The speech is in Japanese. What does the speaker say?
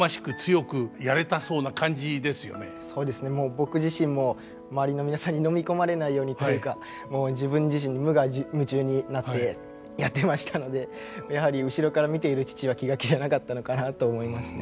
僕自身も周りの皆さんにのみ込まれないようにというかもう自分自身無我夢中になってやってましたのでやはり後ろから見ている父は気が気じゃなかったのかなと思いますね。